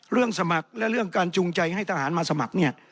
เรื่องสมัครและเรื่องการจูงใจให้ทหารมาสมัคร